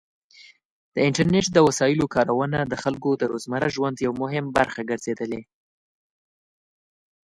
د انټرنیټ د وسایلو کارونه د خلکو د روزمره ژوند یو مهم برخه ګرځېدلې.